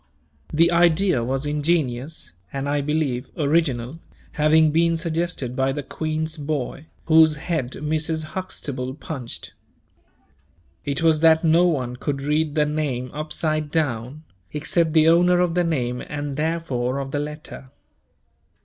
The idea was ingenious, and, I believe, original having been suggested by the Queen's boy, whose head Mrs. Huxtable punched. It was that no one could read the name upside down, except the owner of the name and therefore of the letter.